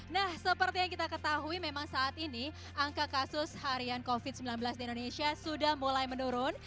nah seperti yang kita ketahui memang saat ini angka kasus harian covid sembilan belas di indonesia sudah mulai menurun